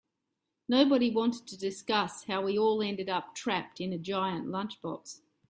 Nobody wanted to discuss how we all ended up trapped in a giant lunchbox.